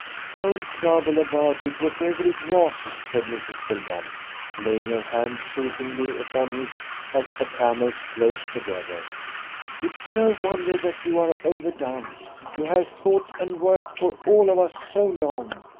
"Don't trouble about it, whatever it was," said Mrs. Belmont, laying her hand soothingly upon his as the camels closed together. "It is no wonder that you are overdone. You have thought and worked for all of us so long.